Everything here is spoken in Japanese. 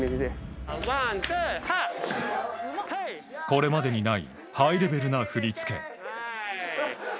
これまでにないハイレベルな振り付け。